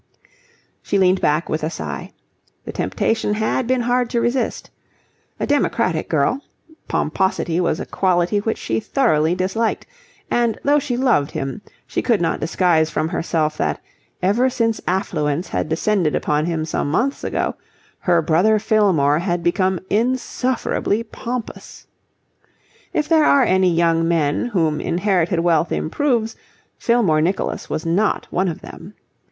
She leaned back with a sigh. The temptation had been hard to resist. A democratic girl, pomposity was a quality which she thoroughly disliked; and though she loved him, she could not disguise from herself that, ever since affluence had descended upon him some months ago, her brother Fillmore had become insufferably pompous. If there are any young men whom inherited wealth improves, Fillmore Nicholas was not one of them.